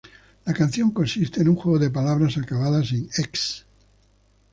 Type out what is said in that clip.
La canción consiste en un juego de palabras acabadas en –ex.